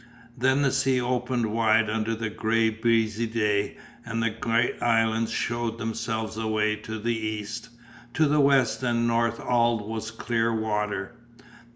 Then the sea opened wide under the grey breezy day and the great islands shewed themselves away to the east. To the west and the north all was clear water.